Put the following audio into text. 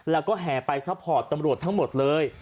แล้วก็แห่ไปซัพพอร์ตตำรวจทั้งหมดเลย